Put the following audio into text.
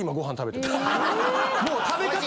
もう食べ方。